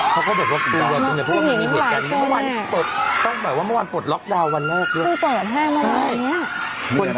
ต้องถ่ายคลิปไปถ่ายคนจริงจริงก็แหละใช่ไหม